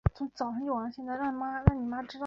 治所在永年县。